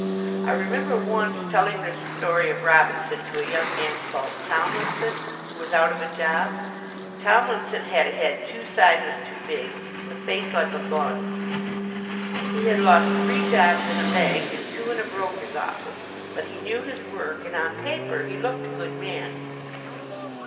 I remember once telling this story of Robinson to a young man called Tomlinson who was out of a job. Tomlinson had a head two sizes too big, and a face like a bun. He had lost three jobs in a bank and two in a broker's office, but he knew his work, and on paper he looked a good man.